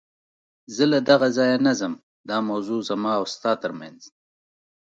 زه له دغه ځایه نه ځم، دا موضوع زما او ستا تر منځ.